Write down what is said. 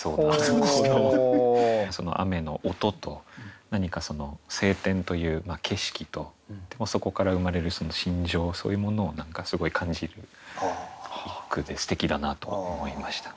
雨の音と何か晴天という景色とそこから生まれる心情そういうものを何かすごい感じる一句ですてきだなと思いました。